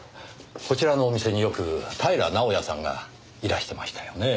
こちらのお店によく平直哉さんがいらしてましたよね？